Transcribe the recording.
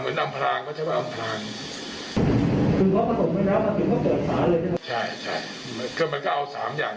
เหมือนอำพลางก็ใช้เป็นอำพลาง